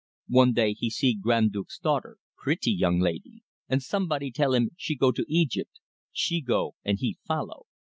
One day he see Grand Duke's daughter pretty young laidee and somebody tell him she go to Egypt. She go, and he follow.